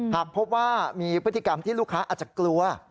หากพบว่ามีพฤติกรรมที่ลูกค้าอาจจะกลัว